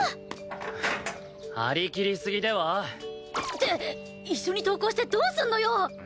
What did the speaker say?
張り切りすぎでは？って一緒に登校してどうすんのよ！